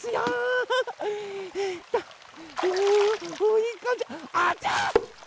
いいかんじあちっ！